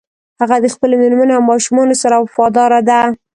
هغه د خپلې مېرمنې او ماشومانو سره وفاداره ده